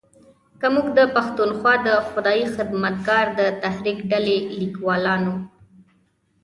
که موږ د پښتونخوا د خدایي خدمتګار د تحریک ډلې لیکوالانو